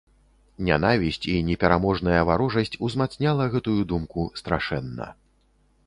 Нянавісць і непераможная варожасць узмацняла гэтую думку страшэнна.